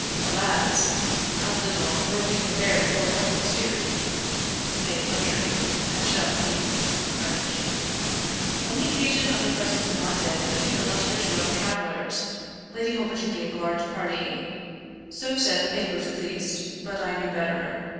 Alas, how little were we prepared for what ensued! {paix platree = patched up peace (French)} On the occasion of the presence in London of two illustrious royal travelers, Lady Holberton gave a large party. So said the papers at least; but I knew better.